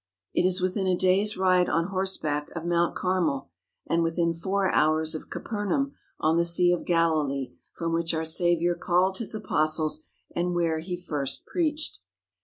It is within a day's ride on horseback of Mount Carmel and within four hours of Capernaum on the Sea of Galilee from which our Saviour called His apostles and where He first preached.